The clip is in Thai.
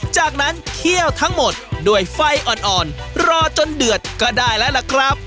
จากนั้นเคี่ยวทั้งหมดด้วยไฟอ่อนรอจนเดือดก็ได้แล้วล่ะครับ